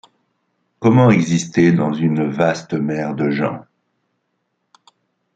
Comment exister dans une vaste mer de gens.